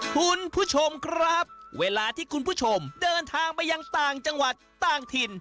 คุณผู้ชมครับเวลาที่คุณผู้ชมเดินทางไปยังต่างจังหวัดต่างถิ่น